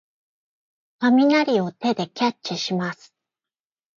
雷を手でキャッチします。